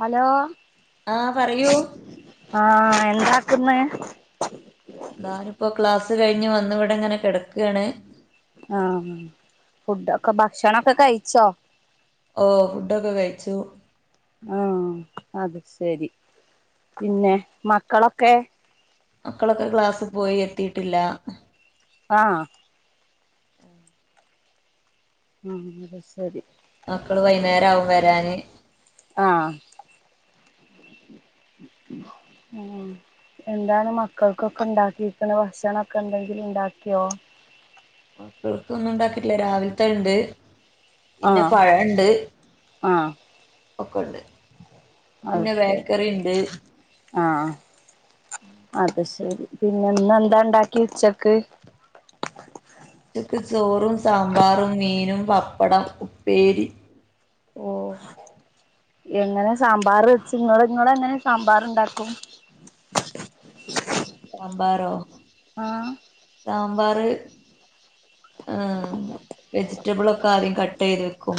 Hello ആ പറയൂ ആ എന്താക്കന്ന് ങ്ങാനിപ്പോൊ ക്ലാസ് കഴിഞ്ഞു വന്ന ഇവിടെ ഇങ്ങനെ കിടക്കുകയാണ് ആ ഫുഡ ഒക്കെ ഭക്ഷണൊക്കെ കഴിച്ചോ ഓ ഫുഡൊക്കെ കഴിച്ചു ആഹ് അത് ശരി പിന്നെ മക്കളൊക്കെ മക്കളൊക്കെ ക്ലാസ് പോയി എത്തിയിട്ടില്ല ആ ആ മ് മക്കള് വൈകുന്നേര ആവും വരാന് മ് എന്താണ് മക്കൾക്കൊക്കെ ഉണ്ടാക്കിരിക്കണ ഭക്ഷണംന്തൊക്കെ ഉണ്ടെങ്കിൽ ഉണ്ടാക്കിയോ മ് ഒന്നും ഉണ്ടാക്കിയിട്ടില്ല രാവിലത്തെ ഉണ്ട് പിന്നെ ആഹ് പഴണ്ട് ആഹ് ഒക്കെ ഉണ്ട് അത് പിന്നെ ശരി ബേക്കറി ഉണ്ട് ആഅത ശരി പിന്നെന്ന എന്താ ഉണ്ടാക്കി ഉച്ചക്ക് ച്ചെക്ക് ചോറും സാമ്പാറും മീനും പപ്പടം ഉപ്പേരി ഓ എങ്ങനെ സാമ്പാർ വെച്ച്ങ്ങ ഇങ്ങള എങ്ങനെ സാമ്പാർ ഉണ്ടാക്കും സാമ്പറോ ആ സാമ്പാർ ആ വെജിറ്റബിള ഒക്കെ ആദ്യം കട്ട്യ്തുവാക്കും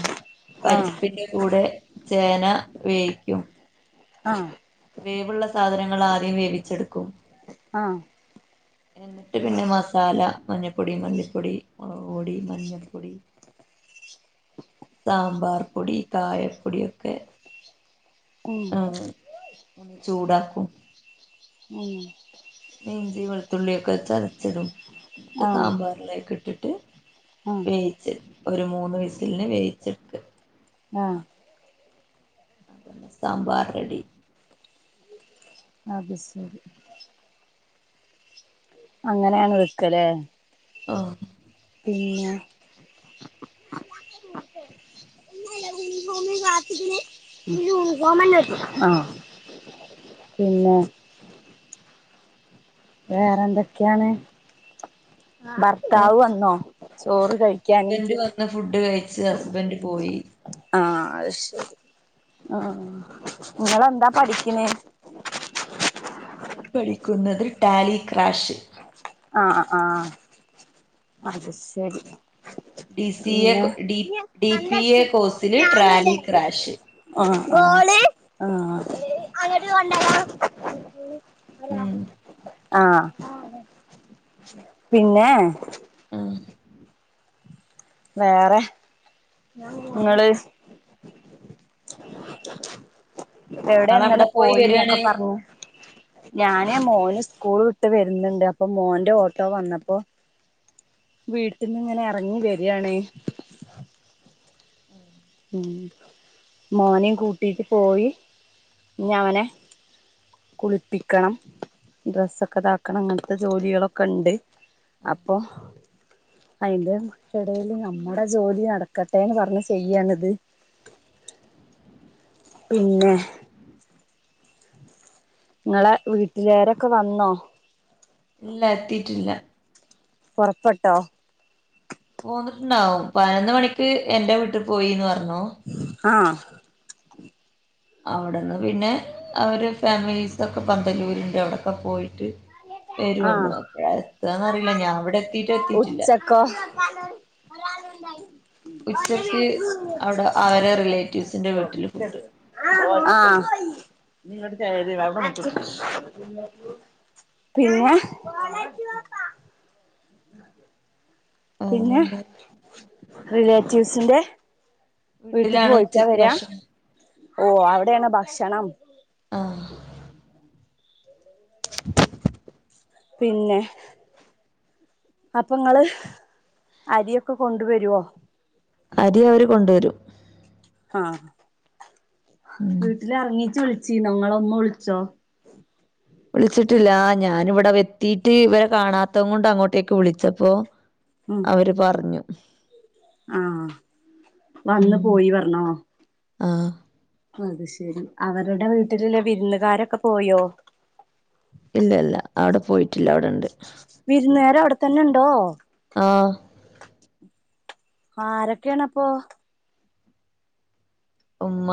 ആഹ് പരിപ്പിന്റെ കൂടെ ചേന വേഗിക്കും ആ വേവള്ള സാധനങ്ങൾ ആദ്യം വേവിച്ചെടുക്കും ആ എന്നിട്ട് പിന്നെ മസാല മഞ്ഞപ്പൊടിയും പൊടി മുളക് പൊടി മഞ്ഞപ്പൊടി സാമ്പാർ പൊടി കായപ്പൊട ഒക്കെ കുൺ ഒന്ന് ചൂടാക്കും മ് മെഞ്ചി വെളുത്തുള്ളിയൊക്കെ ചരച്ചിടും എന്നിട്ട് ആഹ് സാമ്പാറിലേകിട്ട ഇട്ടിട്ട് ആഹ് വേയിച്ച് ഒരു മൂന്ന് വിസിലിന് വേിച്ചെടുക്ക് ആഹ് അന്നെ സാമ്പാർ റെഡി അത് ശരി അങ്ങനെയാണ് വിൽക്കലേ ആഹ പിന്നെ ആ പിന്നെ വേറെ എന്തൊക്കെയാണ് ഭർത്താവ് വന്നോ സോറ് സ്ന്റ് വ ഫുഡ് കഴിച്ചു ഹസ്ബൻഡ് പോയി ആഹ ശരി ആ നിങ്ങെന്താ പഠിക്കണേ ഞൻ പഠിക്കുന്നത് ടാലി ക്രാഷ് ആഹ് ആഹ അത് ശരി ഡി സി എ പിന്നെ ഡി ഡി പി എ കോഴ്സില് ട്രാലി ക്രാഷ് ള ആ അണ്ട ഉം ആ ആഹ പിന്നെ ഉം വേറെ നിങ്ങള് എവിടെ എന്നാല നിങ്ങളവിടെ പോയി വരാണ് പോയിന്നൊക്കെ പറഞ്ഞു ഞാൻ ആ മോന് സ്കൂൾ വിട്ട് വരുന്നുണ്ട് അപ്പൊ മോന്റെ ഓട്ടോ വന്നപ്പോ വീട്ടിൽന്ന് ഇങ്ങനെ ഇറങ്ങി വരാണ് ഉം മോനേം കൂട്ടിട്ട് പോയി ഇനി അവനെ കുളിപ്പിക്കണം ഡ്രെസ്സൊക്കെതാക്കണം അങ്ങനത്തെ ജോലികളൊക്കെണ്ട് അപ്പൊ അതിന്റെ ഇടേല് നമ്മുടെ ജോലി നടക്കട്ടെന്ന് പറഞ്ഞ് ചെയ്യാണ് പിന്നെ ങ്ങളെ വീട്ടിലാരൊക്കെ വന്നോ ഇല്ല എത്തിട്ടില്ല പൊറപ്പെട്ടോ പോന്നിട്ടുണ്ടാവും പതിനൊന്ന് മണിക്ക് എന്റെ വീട്ടി പോയിന്ന് പറഞ്ഞു ആഹ അവിടെന്ന് പിന്നെ അവര് ഫാമിലീ സൊക്കെ പന്തലൂരുണ്ട് അവിടെക്കെ പോയിട്ട് വരുള്ളൂ ആഹ് അപ്പഴ എത്താന്നറില്ല ഞാൻ അവിടെ എത്തിട്ട എത്തിട്ടില്ല ഉച്ചക്കോ ഉച്ചക്ക് അവിടെ അവരെ റിലേറ്റീവ്സിന്റെ വീട്ടില് ഫുഡ് ആഹ നിങ്ങടെ ചര് അവിടെണ്ട് പിന്നെ പിന്നെ വേറെന്താ റിലേ ജ്യൂസിന്റെ വീട്ട്ക്ക് വീട്ടിലാണ് പോയിറ്റാ ഉച്ചക്ക് വരാ ഭക്ഷണം ഓ അവിടെയാണ് ബക്ഷണം ആഹ് പിന്നെ അപ്പങ്ങള് അരിയൊക്കെ കൊണ്ടുവരുവോ അരി അവര് കൊണ്ടുവരും ഹാ ഉം വീട്ടിലെറങ്ങിറ്റ് വിളി ചീ നിങ്ങളൊമ്മ വിളിച്ചോ വിളിച്ചിട്ടില്ല ഞാനിവിടെ വത്തീട്ട് ഇവരെ കാണാത്തെംകൊണ്ട് അങ്ങോട്ടേക്ക് വിളിച്ചപ്പോ അവര് പറഞ്ഞു [inaudible] ആഹ വന്ന് പോയി പറന്നോ ആഹ അത് ശെരി അവരടെ വീട്ടിലുള്ള വിരുന്നുകാരൊക്കെ പോയോ ഇല്ല ഇല്ല അവിടെ പോയിട്ടില്ല അവിടെണ്ട് വിരുന്നേരം അവിടെത്തന്നെണ്ടോ ആ ആ ആരൊക്കെയണപ്പൊ ഉമ്മ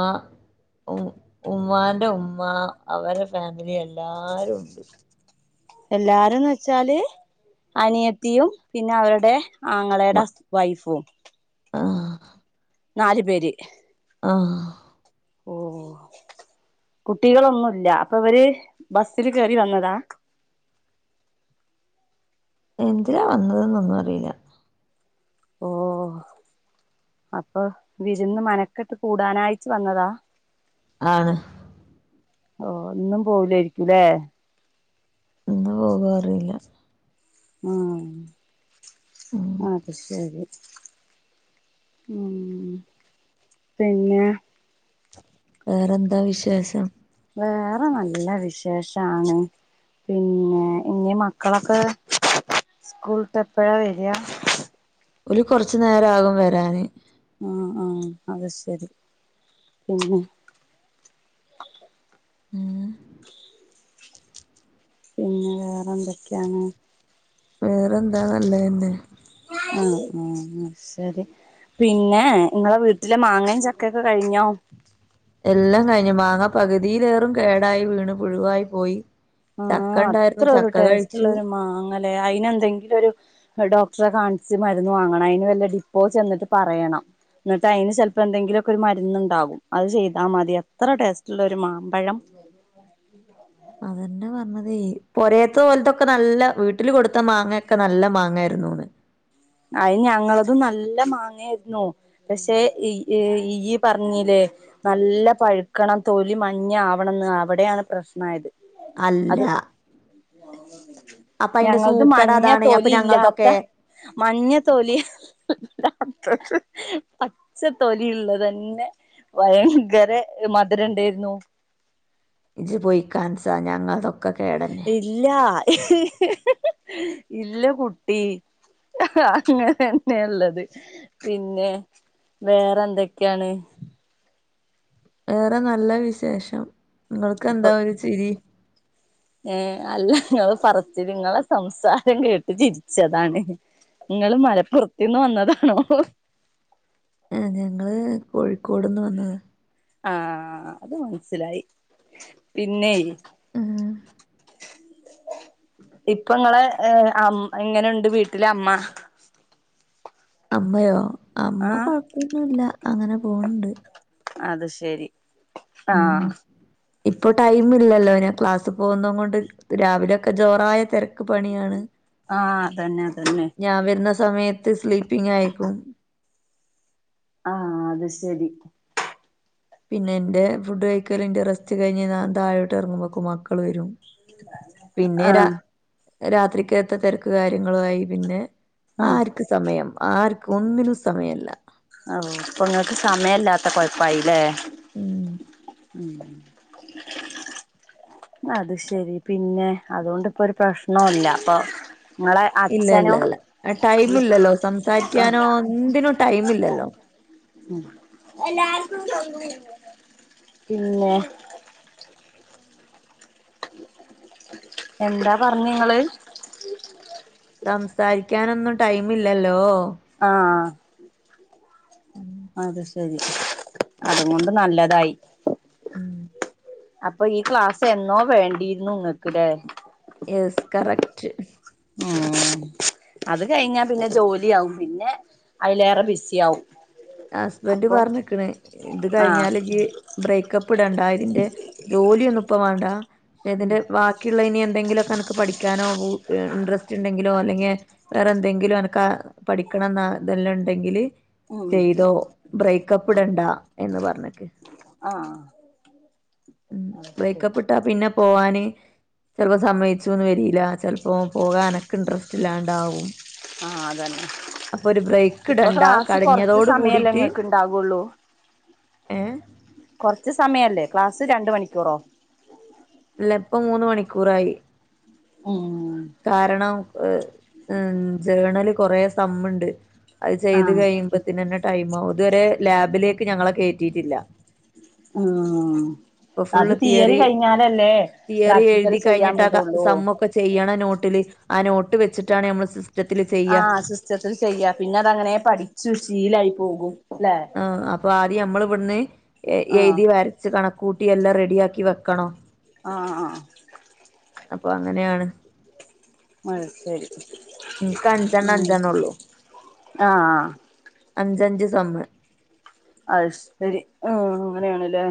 ഉ ഉമ്മാന്റെ ഉമ്മ അവരെ ഫാമിലി എല്ലാരും ഉണ്ട് എല്ലാരുംന്ന് വെച്ചാല് അനിയത്തിയും പിന്നെ അവരുടെ ആങ്ങളേടെ അസ് വൈഫും ആഹ നാല് പേര് ആഹ ഓ കുട്ടികളൊന്നുല്ല അപ്പൊ ഇവര് ബസിൽ കേറി വന്നതാ എന്തിനാ വന്നതെന്നൊന്നും അറിയില്ല ഓ അപ്പൊ വിരുന്ന് മനക്കെട്ട് കൂടാനായിറ്റ് വന്നതാ ആണ് ഓ ഇന്നും പോവുലായിരിക്കുംലേ ഇന്ന് പോകാ അറിയില്ല മ്മ് ഉം അത് ശരി ഉമ്മ് പിന്നെ [inaudible] വേറെന്താ വിശേഷം? വേറെ നല്ല വിശേഷാണ് പിന്നെ ഇനി മക്കളൊക്കെ സ്കൂൾട്ടു എപ്പോഴാ വരിക ഒര് കൊറച്ചു നേരം ആകും വരാന് ആഹ ആഹ അത് ശരി പിന്നെ [unintelligible] ഉമ്മ് പിന്നെ വേറെന്തൊക്കെയാണ് വേറെന്താനല്ലതന്നെ [unintelligible] ഉ ശരി പിന്നെ നിങ്ങളെ വീട്ടിലെ മാങ്ങയും ചക്കയൊക്കെ കഴിഞ്ഞോ എല്ലാം കഴിഞ്ഞു മാങ്ങ പകുതിയിലേറും കേടായി വീണു പുഴുവായി പോയി ആഹ ചക്ക ഉണ്ടായിരുന്നു അത്ര ഒരു ചക്ക ടേസ്റ്റള്ള കഴിച്ചു ഒരു മാങ്ങല്ലേ അയിന് എന്തെങ്കിലും ഒരു ഡോക്ടറെ കാണി [unintelligible] മരുന്ന് വാങ്ങണം അതിന് വല്ല ഡിപ്പോ ചെന്നിട്ട് പറയണം എന്നിട്ട് അതിന് ചിലപ്പോ എന്തെങ്കിലുമൊക്കെ ഒരു മരുന്ന്ണ്ടാകും അത് ചെയ്താൽ മതി എത്ര ടേസ്റ്റ്ള്ള ഒരു മാമ്പഴം അതന്നെ പറഞ്ഞതെ പൊരേത്ത പോലത്തൊക്കെ നല്ല വീട്ടില് കൊടുത്ത മാങ്ങൊക്കെ നല്ല മാങ്ങായിരുന്നുന്ന് അത് ഞങ്ങളതും നല്ല മാങ്ങായിരുന്നു പക്ഷെ ഈ പറഞ്ഞില്ലേ നല്ല പഴുക്കണം തൊലി മഞ്ഞ ആവണന്ന് അവിടെയാണ് പ്രശ്നമായത് അല്ല [inaudible] അപ്പൊ അയിന്റെ ഞങ്ങളത് സൂക്കെട് മഞ്ഞ അതാണ് അപ്പൊ തൊലി ഇല്ലാത്ത ഞങ്ങതൊക്കെ മഞ്ഞ തൊലി ഇല്ലാത്തത് പച്ച തൊലിയുള്ളത് തന്നെ ഭയങ്കര മധുര ഉണ്ടായിരുന്നു ഇജ്ജ് പോയി കാണിച്ച് താ ഞങ്ങളതൊ ഒക്കെ കേടന്നെയാ ഇല്ല [unintelligible] ഇല്ല കുട്ടി [unintelligible] അങ്ങനെ തന്നെയാ ഇള്ളത് പിന്നെ വേറെ എന്തൊക്കെയാണ് വേറെ നല്ല വിശേഷം നിങ്ങൾക്ക് എന്താ ഒരു ചിരി ങ്ങേ അല്ല നിങ്ങൾ പറച്ചിൽ നിങ്ങളെ സംസാരം കേട്ട് ചിരിച്ചതാണ് നിങ്ങള് മലപ്പുറത്തീന്ന് വന്നതാണോ ആ ഞങ്ങള് കോഴിക്കോടിന്ന് വന്നത ആ അത് മനസിലായി പിന്നെ ഇപ്പ നിങ്ങളെ അ എങ്ങനെണ്ട് വീട്ടില് അമ്മ അമ്മയോ ആ അമ്മ കൊഴപ്പൊന്നുമില്ല അങ്ങനെ പോണുണ്ട് അത് ശരി ആ ഉം ഇപ്പൊ ടൈം ഇല്ലല്ലോ ഞാൻ ക്ലാസ് പോകുന്നും കൊണ്ട് രാവിലെയൊക്കെ ജോറായ തിരക്ക് പണിയാണ് ആ അതന്നെ അതന്നെ ഞാൻ വരുന്ന സമയത്ത് സ്ലീപ്പിങ് അയെക്കും ആ അത് ശരി പിന്നെ എന്റെ ഫുഡ് കഴീക്കലിൻ്റ റെസ്റ്റ് കഴിഞ്ഞ് ഞാൻ താഴോട്ട് എറങ്ങ്മ്പോക്കും മക്കള് വരും പിന്നെ ആ രാ രാത്രിക്കാത്തെ തെരക്ക് കാര്യങ്ങളുമായി പിന്നെ ആ ആർക്ക് സമയം ആർക്കും ഒന്നിനും സമയില്ല ഓ ഇപ്പം നിങ്ങക്ക് സമയില്ലാത്ത കൊഴപ്പായില്ലേ ഉം ഉം അത് ശരി പിന്നെ അത്കൊണ്ട് ഇപ്പം ഒരു പ്രശ്നില്ലാ അപ്പൊ നിങ്ങളെ ഇല്ല ഇല്ല അച്ഛനോ ഇല്ല ടൈമം ഇല്ലല്ലോ ആ സംസാരിക്കാനോ എന്തിനും ടൈമില്ലല്ലോ ഉം പിന്നെ എന്താ പറഞ്ഞ നിങ്ങള് സംസാരി ക്കാനൊന്നും ടൈമില്ലാല്ലോ ആ ഉം അത് ശെരി അത് കൊണ്ട് നല്ലതായി ഉം അപ്പം ഈ ക്ലാസ് എന്നോ വേണ്ടിയിരുന്നു നിങ്ങക്ക്ല്ലേ യെസ് കറക്റ്റ് ഉം അത് കഴിഞ്ഞാ പിന്നെ ജോലി ആവും പിന്നെ അയിലേറെ ബിസിയാവും ഹസ്ബൻഡ് പറഞ്ഞിക്കണ് ഇത് ആഹ് കഴിഞ്ഞാല് ജ് ബ്രേക്കപ്പ് ഇടണ്ട ഇതിന്റെ ജോലിയൊന്നും ഇപ്പം വേണ്ടാ ഉം ഇതിന്റെ ബാക്കിയുള്ള ഇനി എന്തെങ്കിലും ഒക്കെ അനക്ക് പഠിക്കാനോ ഊ ഇൻട്രസ്റ്റ് ഉണ്ടെങ്കിലോ അല്ലെങ്കി വേറെ എന്തെങ്കിലും അനക്ക് ആ പഠിക്കണന്ന എന്തേലും ഒണ്ടെങ്കില് ഉം ചെയ്തോ ബ്രേക്കപ്പ് ഇടണ്ടാ എന്ന് പറഞ്ഞക്ക് ആഹ് അത് ശരി ബ്രേക്കപ്പ് ഇട്ടാ പിന്നെ പോവാന് ചെലപ്പോ സമ്മേയിച്ചുന്ന് വെരില്ല ചെലപ്പോ പോകൻ എനക്ക് ഇൻട്രസ്റ്റ് ഇല്ലാണ്ടാവും ആാ അതന്നെ അപ്പൊ ഒരു ബ്രേക്ക് ഇപ്പം ഇടണ്ട ക്ലാസ്സ് കൊറ കൊറച്ച് കടിഞ്ഞതോട് സമയല്ലോ കൂടിട്ട് ഇങ്ങക്ക് ഒണ്ടാകോള്ളൂ ഏഹ് കൊറ ച്ച് സമയല്ലേ ക്ലാസ് രണ്ട് മണിക്കൂറോ ഇല്ല ഇപ്പം മൂന്ന് മണിക്കൂറായി ഉം കാരണം യ് ജേണല് കൊറേ സ തമ്മ്ണ്ട് അത് ചെയ്ത് ആഹ് കഴിയ് ടൈമാവും ഇത് വെരെ ലാബിലേക്ക് ഞങ്ങളെ കയറ്റിയിട്ടില്ല ഉം അത് തിയറി കഴിഞ്ഞാലല്ലോ തിയറി എഴുതി കഴിഞ്ഞാട്ടാതാ സമ്മേ ഒക്കെ ചെയ്യണം നോട്ട ട്ട ആ നോട്ട് വച്ചിട്ടാണ് നമ്മ ആഹ സിസ്റ്റത്തിൽ ചെയ്യാ പിന്നെ അത അങ്ങനെ പഠിച്ചു ശീലായി പോകും ല്ലേ ആ അപ്പൊ ആദ്യം നമ്മള് അവിടന്ന ആഹ് എഴുതി വരച്ച് കണക്ക കൂട്ടിയെല്ലാം റെഡിയാക്കി വെക്കണോ ആഹ ആ അപ്പൊ അങ്ങനെയാണ് അഹ ശരി ഉംക്ക് അഞ്ചാൻ ഉം അഞ്ജാാനള്ളോ ആഹ് അഞ്ചഞ്ച് സമ്മ അ ശരി ഉ അങ്ങനെയാണല്ലേ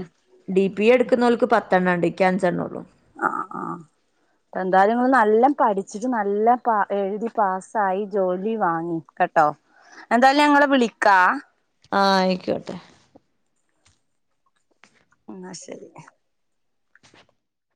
ഡി പി എടുക്കുന്നവൾക്ക് പത്തെണ്ണം ഉണ്ട് ക്യാൻസ്െണ്ണേള്ളൂ ആ ആ് എന്തായാലുംങ്ങള് നല്ല പഠിച്ചിട്ട് നല്ല പ എഴുതി പാസ്സായി ജോലി വാങ്ങി കേട്ടോ എന്തായാലും ഞങ്ങള്െ വിളിക്കാ ആഹ ആയിക്കോട്ടെ ആ ശരി